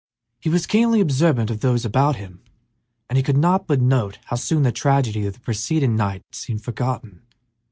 He was keenly observant of those about him, and he could not but note how soon the tragedy of the preceding night seemed forgotten.